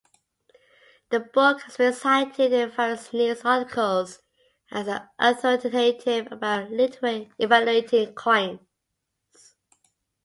The book has been cited in various news articles as authoritative about evaluating coins.